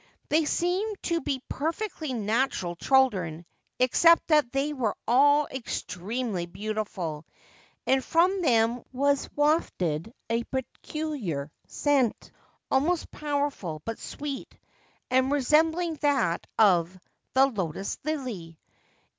They seemed to be perfectly natural children, except that they were all extremely beautiful, and from them was wafted a peculiar scent, almost powerful, but sweet, and resembling that of 271 Ancient Tales and Folklore of Japan the lotus lily.